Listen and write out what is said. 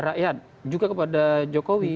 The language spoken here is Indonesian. rakyat juga kepada jokowi